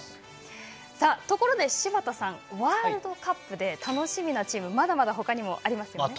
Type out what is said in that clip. ところで、柴田さんワールドカップで楽しみなチーム、まだまだありますよね。